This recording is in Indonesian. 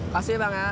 kasih bang ya